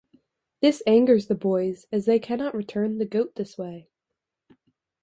This angers the boys, as they cannot return the goat this way.